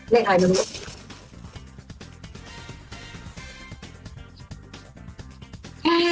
เลขอะไรนึง